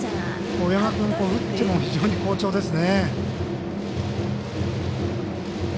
上山君、打っても非常に好調ですね。